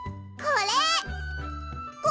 これ！